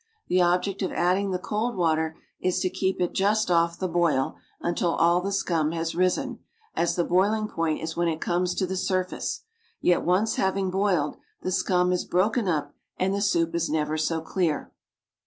The object of adding the cold water is to keep it just off the boil until all the scum has risen, as the boiling point is when it comes to the surface, yet once having boiled, the scum is broken up, and the soup is never so clear.